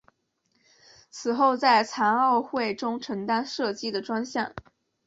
此后在残奥会中承担射击的专项。